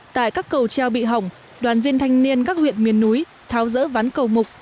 tại các cầu treo bị hỏng đoàn viên thanh niên các huyện miền núi tháo rỡ ván cầu mục